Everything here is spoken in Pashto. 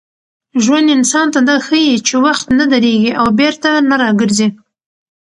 ژوند انسان ته دا ښيي چي وخت نه درېږي او بېرته نه راګرځي.